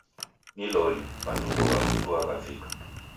Ni loli, matuku gha kutua ghavika.